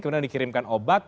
kemudian dikirimkan obat